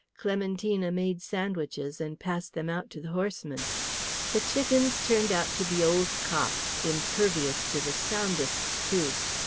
Clementina made sandwiches and passed them out to the horsemen. The chickens turned out to be old cocks, impervious to the soundest tooth.